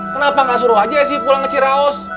kenapa gak suruh aja si pulang ke ciraos